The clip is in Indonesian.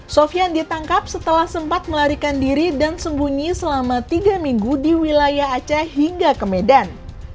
sofian ditangkap setelah sempat melarikan diri dan sembunyi selama tiga minggu di wilayah aceh hingga ke medan